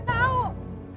si apa buat